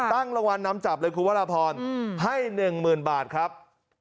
ตั้งรางวัลนำจับเลยคุณวรพรให้๑๐๐๐บาทครับ